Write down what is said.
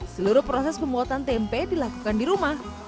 seluruh proses pembuatan tempe dilakukan di rumah